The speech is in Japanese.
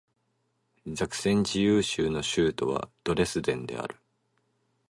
ザクセン自由州の州都はドレスデンである